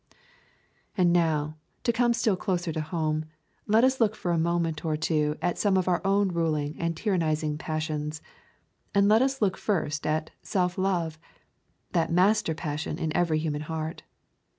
And now, to come still closer home, let us look for a moment or two at some of our own ruling and tyrannising passions. And let us look first at self love that master passion in every human heart.